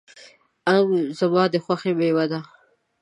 آم زما د خوښې مېوه ده.